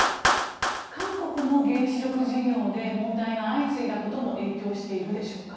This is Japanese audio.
韓国の原子力事業で問題が相次いだことも影響しているでしょうか？